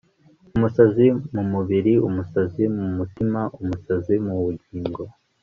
Umusazi mumubiri umusazi mumutima umusazi mubugingo